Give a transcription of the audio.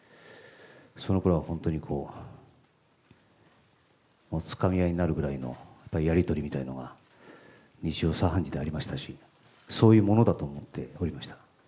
そのころは本当に、つかみ合いになるぐらいのやり取りみたいなのが日常茶飯事でありましたし、そういうものだと思っておりました。